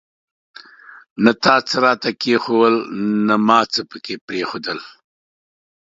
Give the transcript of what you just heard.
نه تا څه راته کښېښوول ، نه ما څه پکښي پريښودل.